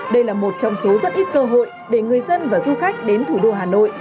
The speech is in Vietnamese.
đây là một trong số rất ít cơ hội để người dân và du khách đến thủ đô hà nội